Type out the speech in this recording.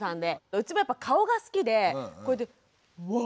うちもやっぱ顔が好きでこうやってワッ！